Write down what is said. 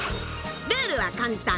［ルールは簡単。